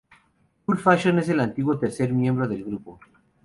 Kool Fashion es el antiguo tercer miembro del grupo.